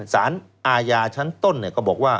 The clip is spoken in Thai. สารอาญาชั้นต้นก็บอกว่า